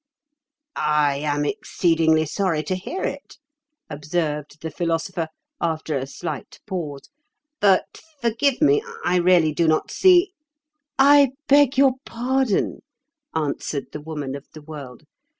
"I am exceedingly sorry to hear it," observed the Philosopher, after a slight pause. "But forgive me, I really do not see—" "I beg your pardon," answered the Woman of the World.